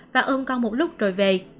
và ôm con một lúc rồi về